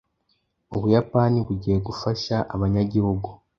Ubuyapani bugiye gufasha abanyagihugu